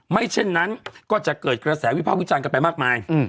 เช่นนั้นก็จะเกิดกระแสวิภาควิจารณ์กันไปมากมาย